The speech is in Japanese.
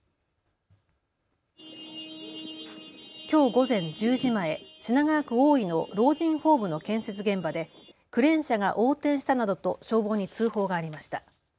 きょう午前１０時前、品川区大井の老人ホームの建設現場でクレーン車が横転したなどと消防に通報がありました。